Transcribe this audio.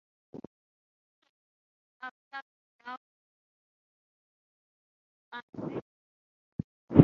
It was named after Viau bridge, which links it to Ahuntsic-Cartierville in Montreal, Quebec.